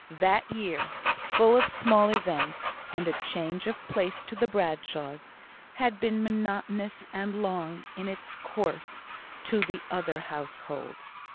That year, full of small events, and change of place to the Bradshaws, had been monotonous and long in its course to the other household.